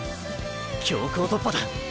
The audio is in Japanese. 強行突破だ。